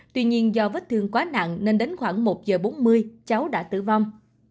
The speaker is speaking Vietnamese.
tuy nhiên do vết thương quá nặng nên đến khoảng một giờ bốn mươi cháu đã tử vong